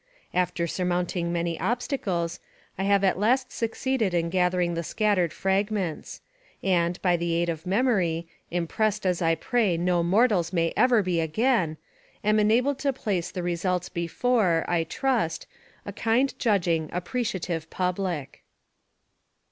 After sur mounting many obstacles, I have at last succeeded in gathering the scattered fragments; and, by the aid of memory, impressed as I pray no mortal's may ever be again, am enabled to place the results before, I trust, a kind judging, appreciative public.